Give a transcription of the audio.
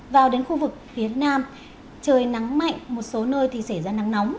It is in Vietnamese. vào đến khu vực phía nam trời nắng mạnh một số nơi thì xảy ra nắng nóng